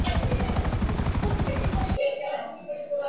বেঁচে থাকতে কেউই দেখতেও যায়নি।